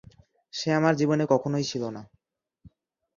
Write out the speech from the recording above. সে আমার জীবনে কখনো ছিলোই না।